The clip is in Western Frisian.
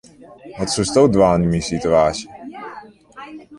Wat soesto dwaan yn myn situaasje?